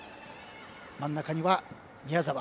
真ん中には宮澤。